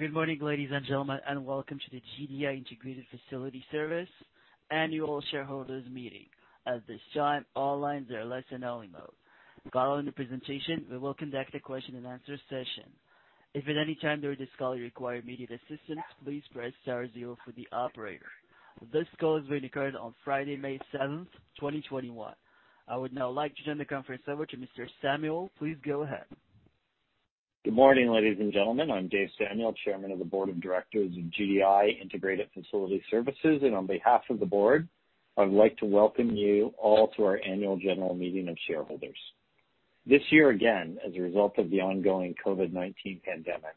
Good morning, ladies and gentlemen, and welcome to the GDI Integrated Facility Services Annual Shareholders Meeting. At this time, all lines are in listen-only mode. Following the presentation, we will conduct a question-and-answer session. If at any time during this call you require immediate assistance, please press star zero for the operator. This call is being recorded on Friday, May 7th, 2021. I would now like to turn the conference over to Mr. Samuel. Please go ahead. Good morning, ladies and gentlemen. I'm Dave Samuel, Chairman of the Board of Directors of GDI Integrated Facility Services, and on behalf of the board, I would like to welcome you all to our annual general meeting of shareholders. This year, again, as a result of the ongoing COVID-19 pandemic,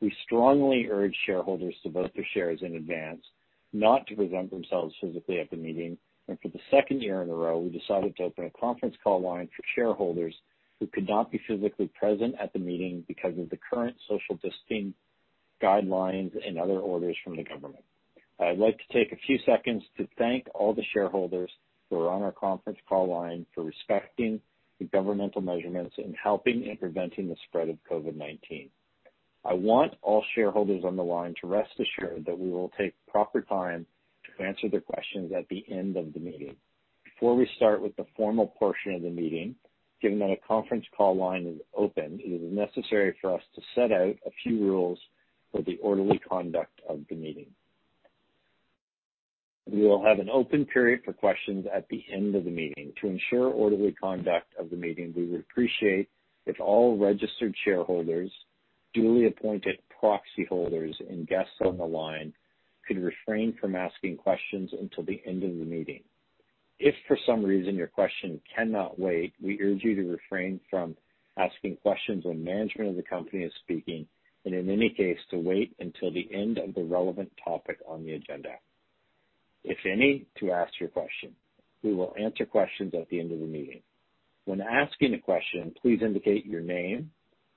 we strongly urge shareholders to vote their shares in advance, not to present themselves physically at the meeting, and for the second year in a row, we decided to open a conference call line for shareholders who could not be physically present at the meeting because of the current social distancing guidelines and other orders from the government. I'd like to take a few seconds to thank all the shareholders who are on our conference call line for respecting the governmental measures in helping and preventing the spread of COVID-19. I want all shareholders on the line to rest assured that we will take proper time to answer their questions at the end of the meeting. Before we start with the formal portion of the meeting, given that a conference call line is open, it is necessary for us to set out a few rules for the orderly conduct of the meeting. We will have an open period for questions at the end of the meeting. To ensure orderly conduct of the meeting, we would appreciate if all registered shareholders, duly appointed proxy holders, and guests on the line could refrain from asking questions until the end of the meeting. If for some reason your question cannot wait, we urge you to refrain from asking questions when management of the company is speaking, and in any case, to wait until the end of the relevant topic on the agenda. If any, to ask your question. We will answer questions at the end of the meeting. When asking a question, please indicate your name,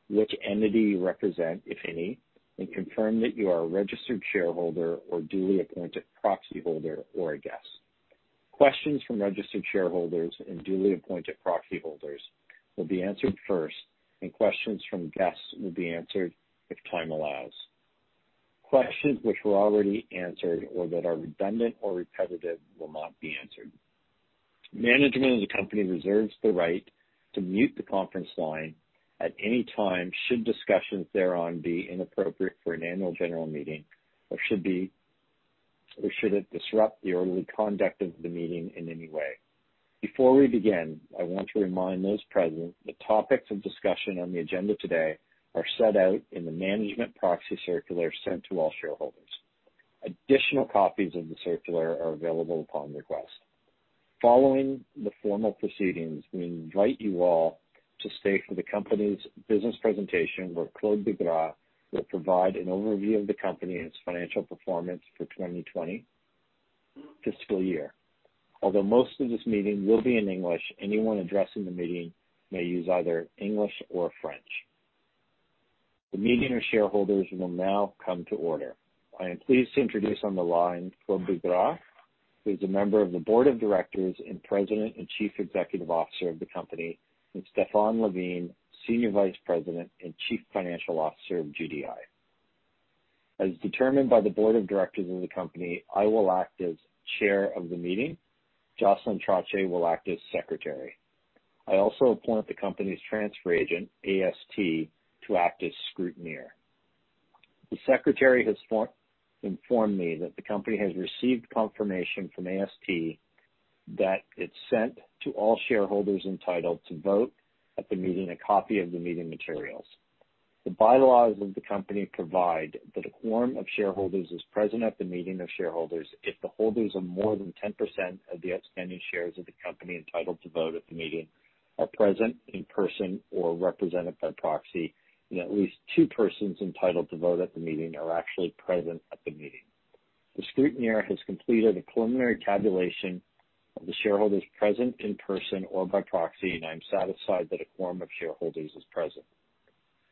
which entity you represent, if any, and confirm that you are a registered shareholder or duly appointed proxy holder or a guest. Questions from registered shareholders and duly appointed proxy holders will be answered first, and questions from guests will be answered if time allows. Questions which were already answered or that are redundant or repetitive will not be answered. Management of the company reserves the right to mute the conference line at any time should discussions thereon be inappropriate for an annual general meeting or should it disrupt the orderly conduct of the meeting in any way. Before we begin, I want to remind those present that the topics of discussion on the agenda today are set out in the Management Proxy Circular sent to all shareholders. Additional copies of the circular are available upon request. Following the formal proceedings, we invite you all to stay for the company's business presentation where Claude Bigras will provide an overview of the company and its financial performance for 2020 fiscal year. Although most of this meeting will be in English, anyone addressing the meeting may use either English or French. The meeting of shareholders will now come to order. I am pleased to introduce on the line Claude Bigras, who is a member of the Board of Directors and President and Chief Executive Officer of the company, and Stéphane Lavigne, Senior Vice President and Chief Financial Officer of GDI. As determined by the Board of Directors of the company, I will act as chair of the meeting. Jocelyne Trottier will act as secretary. I also appoint the company's transfer agent, AST, to act as scrutineer. The secretary has informed me that the company has received confirmation from AST that it sent to all shareholders entitled to vote at the meeting a copy of the meeting materials. The bylaws of the company provide that a quorum of shareholders is present at the meeting of shareholders if the holders of more than 10% of the outstanding shares of the company entitled to vote at the meeting are present in person or represented by proxy, and at least two persons entitled to vote at the meeting are actually present at the meeting. The scrutineer has completed a preliminary tabulation of the shareholders present in person or by proxy, and I am satisfied that a quorum of shareholders is present.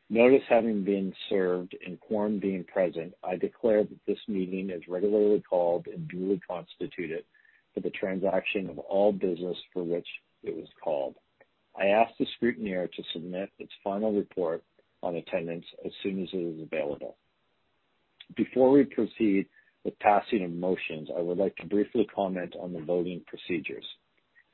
Notice having been served and quorum being present, I declare that this meeting is regularly called and duly constituted for the transaction of all business for which it was called. I ask the scrutineer to submit its final report on attendance as soon as it is available. Before we proceed with passing of motions, I would like to briefly comment on the voting procedures.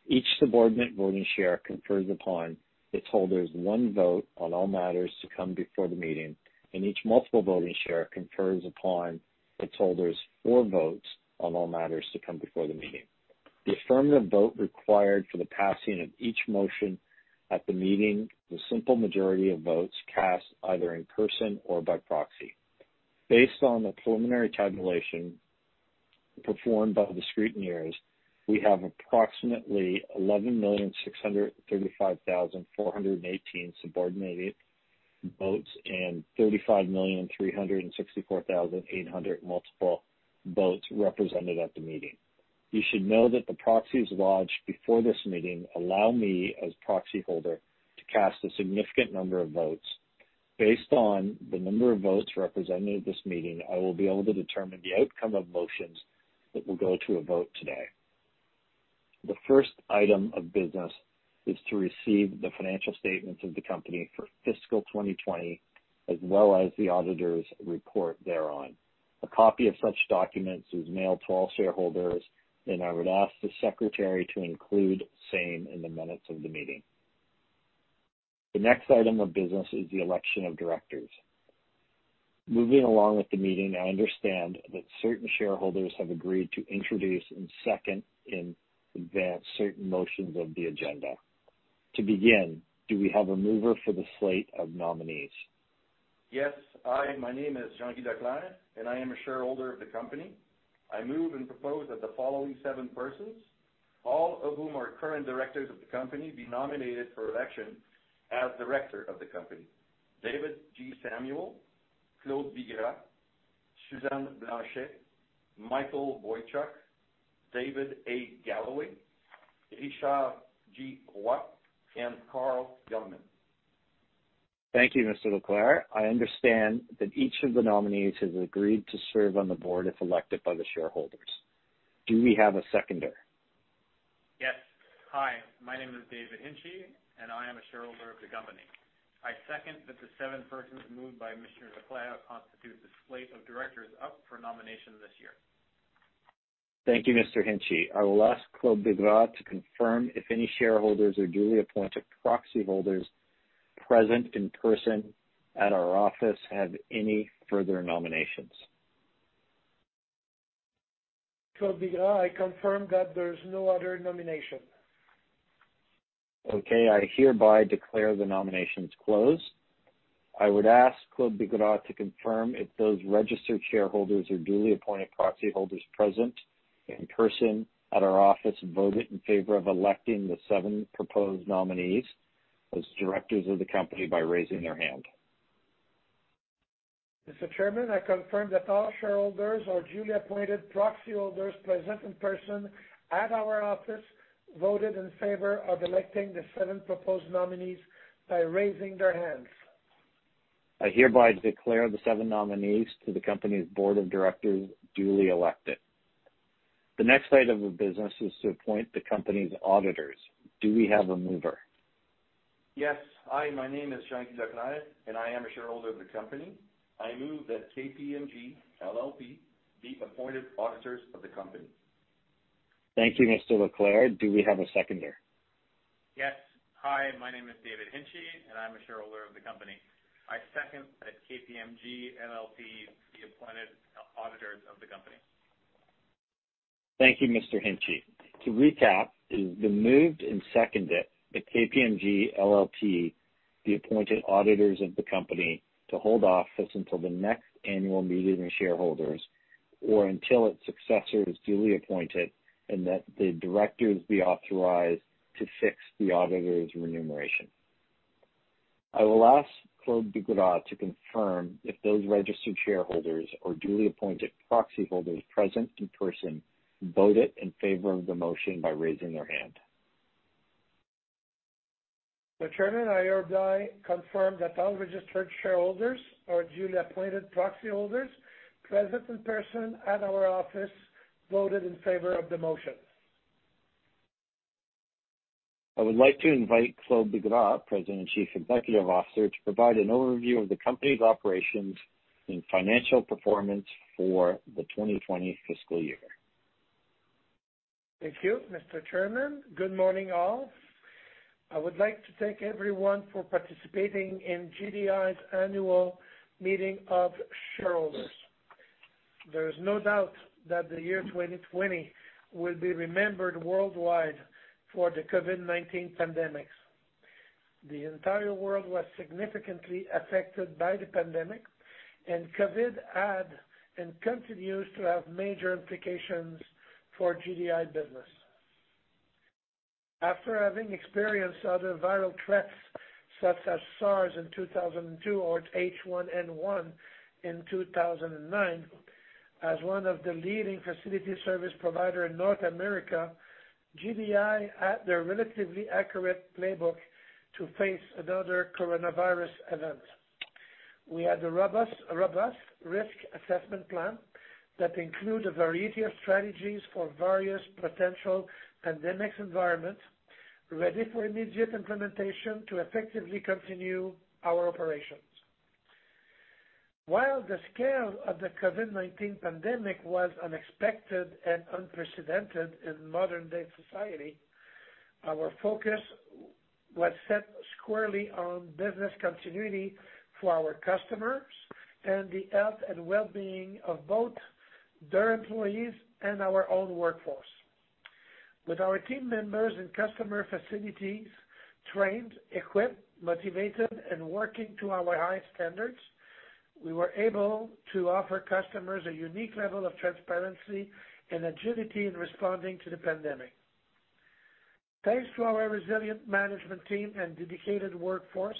Each subordinate voting share confers upon its holders one vote on all matters to come before the meeting, and each multiple voting share confers upon its holders four votes on all matters to come before the meeting. The affirmative vote required for the passing of each motion at the meeting is a simple majority of votes cast either in person or by proxy. Based on the preliminary tabulation performed by the scrutineers, we have approximately 11,635,418 subordinate votes and 35,364,800 multiple votes represented at the meeting. You should know that the proxies lodged before this meeting allow me, as proxy holder, to cast a significant number of votes. Based on the number of votes represented at this meeting, I will be able to determine the outcome of motions that will go to a vote today. The first item of business is to receive the financial statements of the company for fiscal 2020, as well as the auditor's report thereon. A copy of such documents is mailed to all shareholders, and I would ask the secretary to include the same in the minutes of the meeting. The next item of business is the election of directors. Moving along with the meeting, I understand that certain shareholders have agreed to introduce and second in advance certain motions of the agenda. To begin, do we have a mover for the slate of nominees? Yes. Hi. My name is Jean Leclair, and I am a shareholder of the company. I move and propose that the following seven persons, all of whom are current directors of the company, be nominated for election as director of the company: David G. Samuel, Claude Bigras, Suzanne Blanchet, Michael Wojcik, David A. Galloway, Richard G. Hwa, and Carl Gilman. Thank you, Mr. Leclair. I understand that each of the nominees has agreed to serve on the board if elected by the shareholders. Do we have a seconder? Yes. Hi. My name is David Hinchey, and I am a shareholder of the company. I second that the seven persons moved by Mr. Leclair constitute the slate of directors up for nomination this year. Thank you, Mr. Hinchey. I will ask Claude Bigras to confirm if any shareholders or duly appointed proxy holders present in person at our office have any further nominations. Claude Bigras, I confirm that there is no other nomination. Okay. I hereby declare the nominations closed. I would ask Claude Bigras to confirm if those registered shareholders or duly appointed proxy holders present in person at our office voted in favor of electing the seven proposed nominees as directors of the company by raising their hand. Mr. Chairman, I confirm that all shareholders or duly appointed proxy holders present in person at our office voted in favor of electing the seven proposed nominees by raising their hands. I hereby declare the seven nominees to the company's board of directors duly elected. The next item of business is to appoint the company's auditors. Do we have a mover? Yes. Hi. My name is Jean Giraclin, and I am a shareholder of the company. I move that KPMG LLP be appointed auditors of the company. Thank you, Mr. Leclair. Do we have a seconder? Yes. Hi. My name is David Hinchey, and I'm a shareholder of the company. I second that KPMG LLP be appointed auditors of the company. Thank you, Mr. Hinchey. To recap, it has been moved and seconded that KPMG LLP be appointed auditors of the company to hold office until the next annual meeting of shareholders or until its successor is duly appointed and that the directors be authorized to fix the auditor's remuneration. I will ask Claude Bigras to confirm if those registered shareholders or duly appointed proxy holders present in person voted in favor of the motion by raising their hand. The Chairman, I hereby confirm that all registered shareholders or duly appointed proxy holders present in person at our office voted in favor of the motion. I would like to invite Claude Bigras, President and Chief Executive Officer, to provide an overview of the company's operations and financial performance for the 2020 fiscal year. Thank you, Mr. Chairman. Good morning, all. I would like to thank everyone for participating in GDI's annual meeting of shareholders. There is no doubt that the year 2020 will be remembered worldwide for the COVID-19 pandemic. The entire world was significantly affected by the pandemic, and COVID had and continues to have major implications for GDI business. After having experienced other viral threats such as SARS in 2002 or H1N1 in 2009, as one of the leading facility service providers in North America, GDI had a relatively accurate playbook to face another coronavirus event. We had a robust risk assessment plan that included a variety of strategies for various potential pandemic environments, ready for immediate implementation to effectively continue our operations. While the scale of the COVID-19 pandemic was unexpected and unprecedented in modern-day society, our focus was set squarely on business continuity for our customers and the health and well-being of both their employees and our own workforce. With our team members and customer facilities trained, equipped, motivated, and working to our high standards, we were able to offer customers a unique level of transparency and agility in responding to the pandemic. Thanks to our resilient management team and dedicated workforce,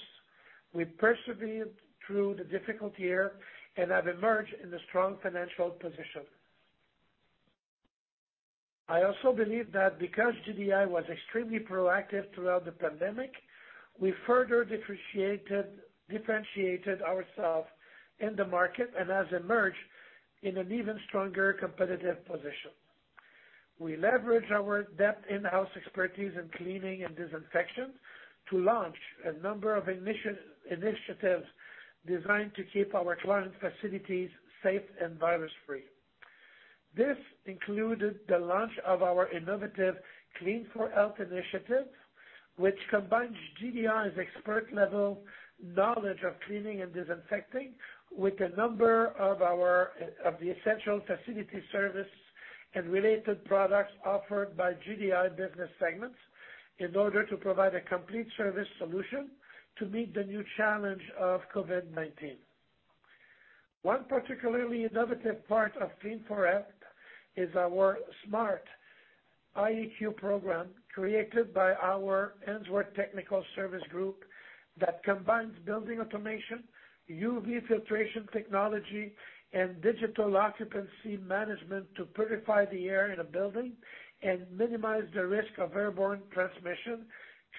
we persevered through the difficult year and have emerged in a strong financial position. I also believe that because GDI was extremely proactive throughout the pandemic, we further differentiated ourselves in the market and have emerged in an even stronger competitive position. We leveraged our in-house expertise in cleaning and disinfection to launch a number of initiatives designed to keep our client facilities safe and virus-free. This included the launch of our innovative Clean for Health initiative, which combines GDI's expert-level knowledge of cleaning and disinfecting with a number of the essential facility service and related products offered by GDI business segments in order to provide a complete service solution to meet the new challenge of COVID-19. One particularly innovative part of Clean for Health is our Smart IEQ program created by our Ainsworth Technical Service Group that combines building automation, UV filtration technology, and digital occupancy management to purify the air in a building and minimize the risk of airborne transmission,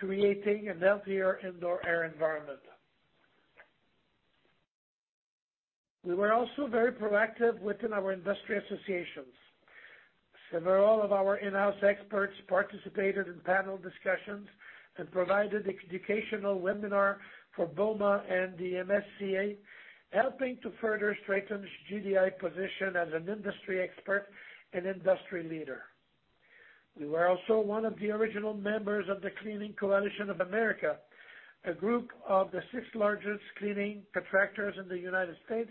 creating a healthier indoor air environment. We were also very proactive within our industry associations. Several of our in-house experts participated in panel discussions and provided educational webinars for BOMA and the MSCA, helping to further strengthen GDI's position as an industry expert and industry leader. We were also one of the original members of the Cleaning Coalition of America, a group of the six largest cleaning contractors in the United States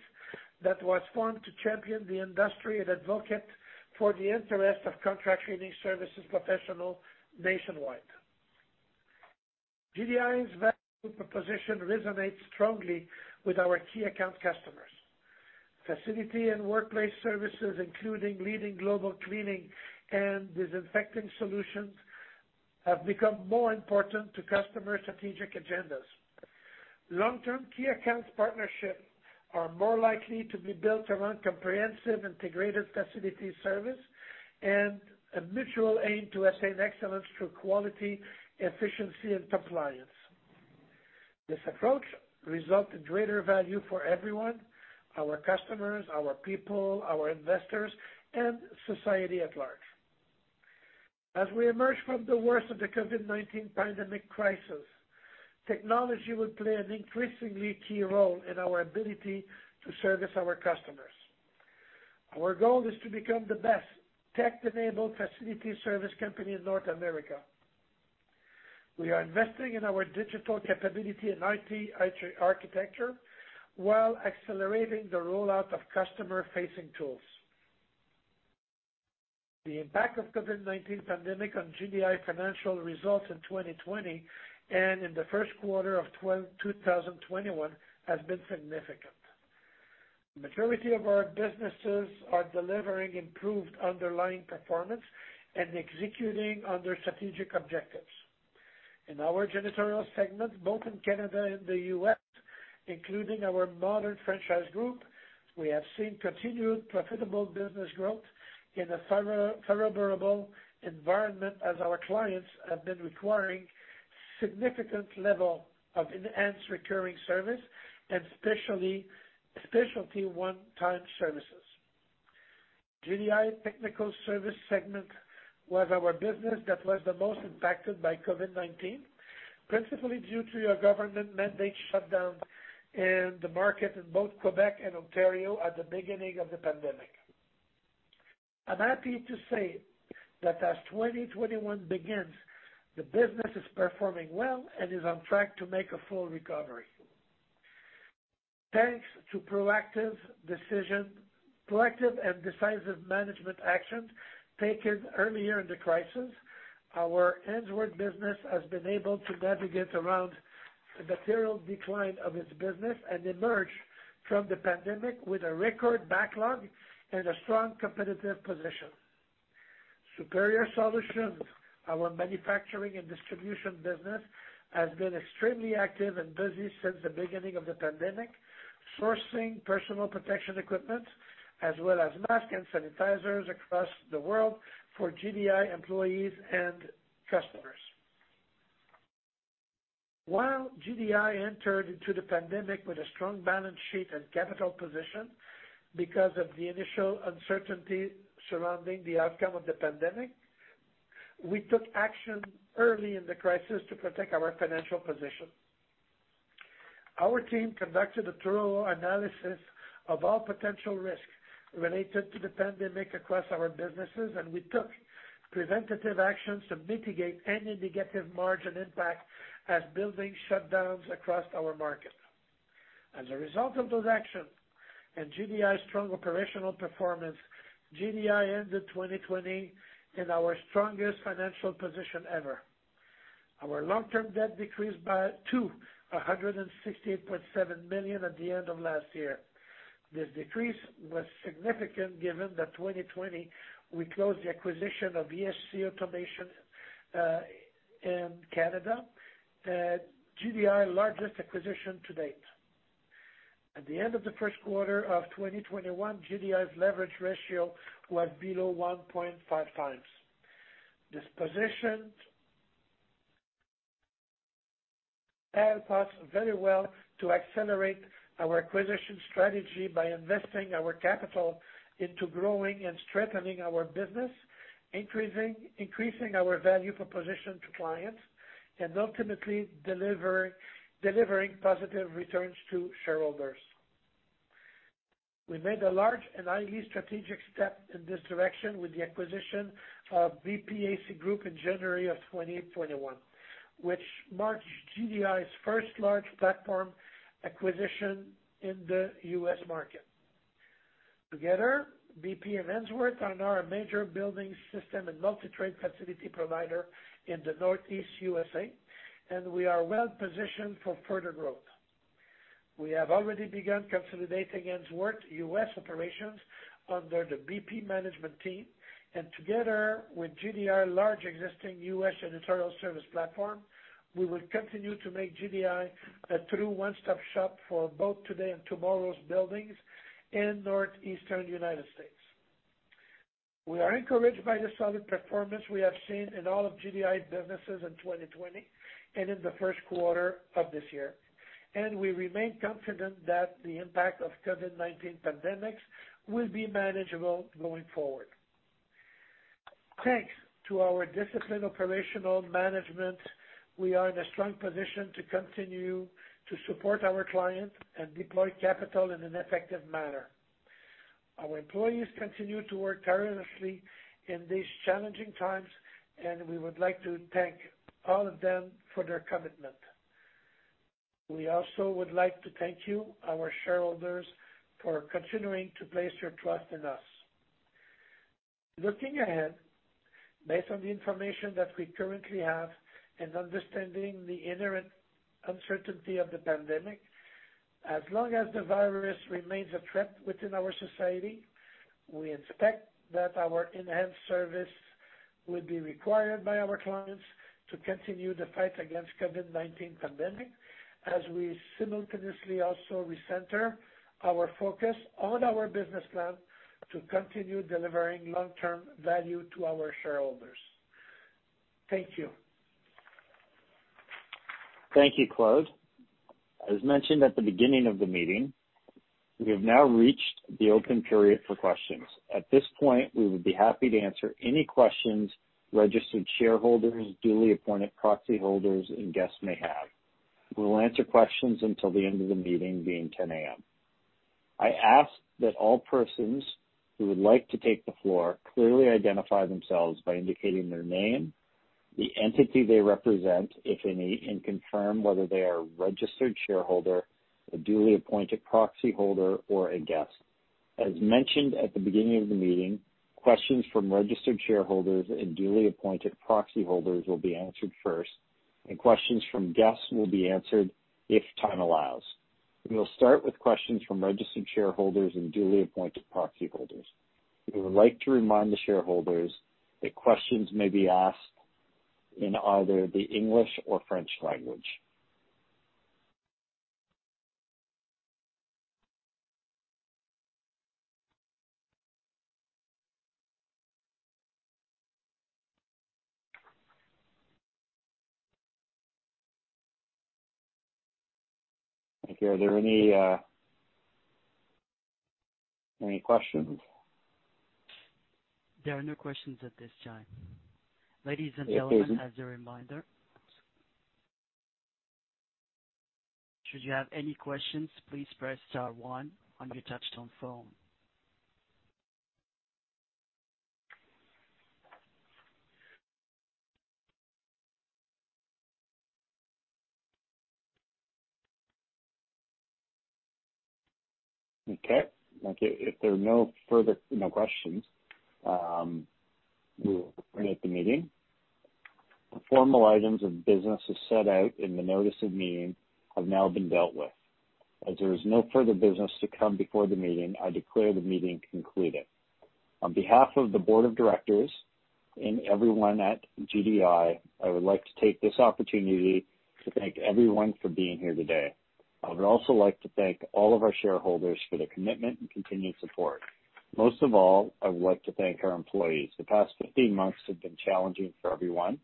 that was formed to champion the industry and advocate for the interests of contract cleaning services professionals nationwide. GDI's value proposition resonates strongly with our key account customers. Facility and workplace services, including leading global cleaning and disinfecting solutions, have become more important to customers' strategic agendas. Long-term key accounts partnerships are more likely to be built around comprehensive integrated facility service and a mutual aim to attain excellence through quality, efficiency, and compliance. This approach results in greater value for everyone: our customers, our people, our investors, and society at large. As we emerge from the worst of the COVID-19 pandemic crisis, technology will play an increasingly key role in our ability to service our customers. Our goal is to become the best tech-enabled facility service company in North America. We are investing in our digital capability and IT architecture while accelerating the rollout of customer-facing tools. The impact of the COVID-19 pandemic on GDI financial results in 2020 and in the first quarter of 2021 has been significant. The majority of our businesses are delivering improved underlying performance and executing on their strategic objectives. In our janitorial segment, both in Canada and the U.S., including our Modern Franchise Group, we have seen continued profitable business growth in a favorable environment as our clients have been requiring a significant level of enhanced recurring service and specialty one-time services. GDI technical service segment was our business that was the most impacted by COVID-19, principally due to a government mandate shutdown in the market in both Quebec and Ontario at the beginning of the pandemic. I'm happy to say that as 2021 begins, the business is performing well and is on track to make a full recovery. Thanks to proactive and decisive management actions taken earlier in the crisis, our Ainsworth business has been able to navigate around the material decline of its business and emerge from the pandemic with a record backlog and a strong competitive position. Superior Solutions, our manufacturing and distribution business, has been extremely active and busy since the beginning of the pandemic, sourcing personal protection equipment as well as masks and sanitizers across the world for GDI employees and customers. While GDI entered into the pandemic with a strong balance sheet and capital position, because of the initial uncertainty surrounding the outcome of the pandemic, we took action early in the crisis to protect our financial position. Our team conducted a thorough analysis of all potential risks related to the pandemic across our businesses, and we took preventative actions to mitigate any negative margin impact as buildings shut down across our market. As a result of those actions and GDI's strong operational performance, GDI ended 2020 in our strongest financial position ever. Our long-term debt decreased by 268.7 million at the end of last year. This decrease was significant given that in 2020, we closed the acquisition of ESC Automation in Canada, GDI's largest acquisition to date. At the end of the first quarter of 2021, GDI's leverage ratio was below 1.5 times. This position helped us very well to accelerate our acquisition strategy by investing our capital into growing and strengthening our business, increasing our value proposition to clients, and ultimately delivering positive returns to shareholders. We made a large and highly strategic step in this direction with the acquisition of BP AC Group in January of 2021, which marked GDI's first large platform acquisition in the U.S. market. Together, BP and Ainsworth are now a major building system and multi-trade facility provider in the Northeast USA, and we are well positioned for further growth. We have already begun consolidating Ainsworth U.S. operations under the BP management team, and together with GDI's large existing U.S. janitorial service platform, we will continue to make GDI a true one-stop shop for both today and tomorrow's buildings in Northeastern United States. We are encouraged by the solid performance we have seen in all of GDI's businesses in 2020 and in the first quarter of this year, and we remain confident that the impact of the COVID-19 pandemic will be manageable going forward. Thanks to our disciplined operational management, we are in a strong position to continue to support our clients and deploy capital in an effective manner. Our employees continue to work tirelessly in these challenging times, and we would like to thank all of them for their commitment. We also would like to thank you, our shareholders, for continuing to place your trust in us. Looking ahead, based on the information that we currently have and understanding the inherent uncertainty of the pandemic, as long as the virus remains a threat within our society, we expect that our enhanced service will be required by our clients to continue the fight against the COVID-19 pandemic as we simultaneously also recenter our focus on our business plan to continue delivering long-term value to our shareholders. Thank you. Thank you, Claude. As mentioned at the beginning of the meeting, we have now reached the open period for questions. At this point, we would be happy to answer any questions registered shareholders, duly appointed proxy holders, and guests may have. We will answer questions until the end of the meeting, being 10:00 A.M. I ask that all persons who would like to take the floor clearly identify themselves by indicating their name, the entity they represent, if any, and confirm whether they are a registered shareholder, a duly appointed proxy holder, or a guest. As mentioned at the beginning of the meeting, questions from registered shareholders and duly appointed proxy holders will be answered first, and questions from guests will be answered if time allows. We will start with questions from registered shareholders and duly appointed proxy holders. We would like to remind the shareholders that questions may be asked in either the English or French language. Thank you. Are there any questions? There are no questions at this time. Ladies and gentlemen, as a reminder, should you have any questions, please press star one on your touch-tone phone. Okay. If there are no further questions, we will terminate the meeting. The formal items of business as set out in the notice of meeting have now been dealt with. As there is no further business to come before the meeting, I declare the meeting concluded. On behalf of the board of directors and everyone at GDI, I would like to take this opportunity to thank everyone for being here today. I would also like to thank all of our shareholders for their commitment and continued support. Most of all, I would like to thank our employees. The past 15 months have been challenging for everyone.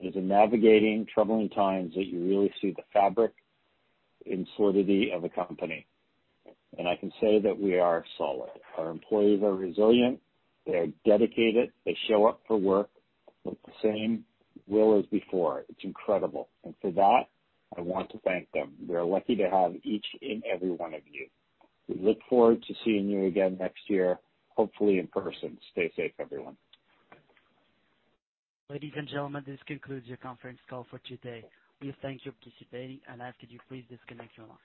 It is in navigating troubling times that you really see the fabric and solidity of a company. And I can say that we are solid. Our employees are resilient. They are dedicated. They show up for work with the same will as before. It's incredible. And for that, I want to thank them. We are lucky to have each and every one of you. We look forward to seeing you again next year, hopefully in person. Stay safe, everyone. Ladies and gentlemen, this concludes your conference call for today. We thank you for participating, and I ask that you please disconnect your lines.